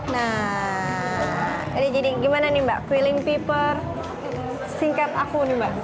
nah ini jadi gimana nih mbak keiling paper singkat aku nih mbak